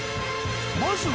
まずは。